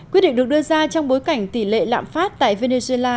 quyết định được đưa ra trong bối cảnh tỷ lệ lạm phát tại venezuela